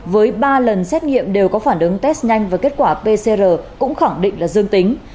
với ba lần xét nghiệm đều có phản ứng test nhanh và kết quả pcr cũng khẳng định là dương tính